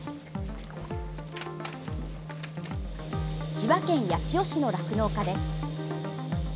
千葉県八千代市の酪農家です。